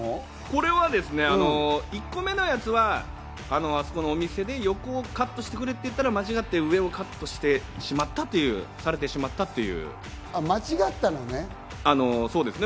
これはですね、一個目のやつは、あそこのお店で横をカットしてくれって言ったら、間違って上をカットしてしまったと、カットされてしまったと。